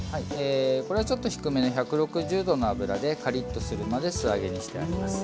これはちょっと低めの１６０℃の油でカリッとするまで素揚げにしてあります。